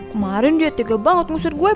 kemarin dia tinggal banget ngusir gue